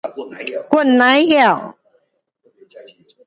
我甭晓